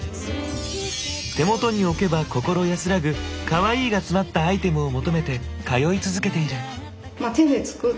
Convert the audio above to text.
手元に置けば心安らぐ「カワイイ」が詰まったアイテムを求めて通い続けている。